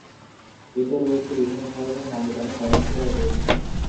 এতে রয়েছে বিভিন্ন ধরনের নামী-দামী কয়েক হাজার বই।